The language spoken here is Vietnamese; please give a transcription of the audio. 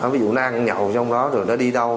ví dụ nó ăn nhậu trong đó rồi nó đi đâu